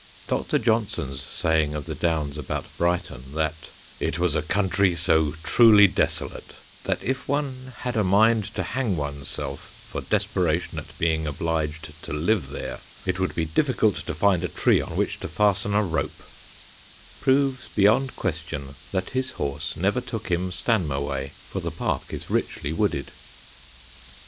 Dr. Johnson's saying of the Downs about Brighton, that "it was a country so truly desolate that if one had a mind to hang oneself for desperation at being obliged to live there, it would be difficult to find a tree on which to fasten a rope," proves beyond question that his horse never took him Stanmer way, for the park is richly wooded.